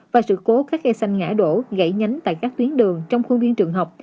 và sự cố các gây xanh ngã đổ gãy nhánh tại các tuyến đường trong khuôn biến trường học